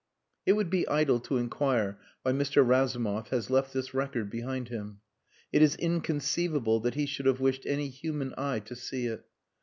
It would be idle to inquire why Mr. Razumov has left this record behind him. It is inconceivable that he should have wished any human eye to see it.